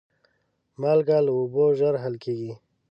مالګه له اوبو ژر حل کېږي.